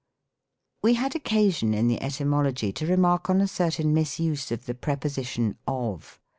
. We had occasion, in the Etymology, to remark on a certain misuse of the preposition, of.